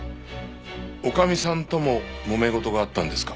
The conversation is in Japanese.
女将さんとももめ事があったんですか？